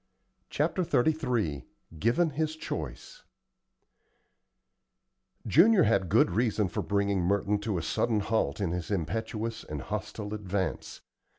CHAPTER XXXIII GIVEN HIS CHOICE Junior had good reason for bringing Merton to a sudden halt in his impetuous and hostile advance.